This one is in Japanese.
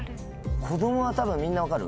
子供は多分みんな分かる？